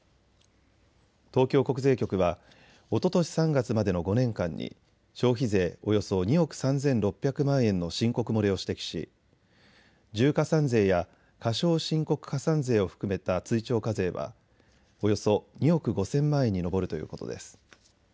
東京国税局は、おととし３月までの５年間に消費税およそ２億３６００万円の申告漏れを指摘し重加算税や過少申告加算税を含めた追徴課税はおよそ２億５０００万円に上るということです。